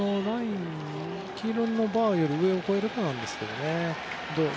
黄色のバーより上を越えるとなんですけどね。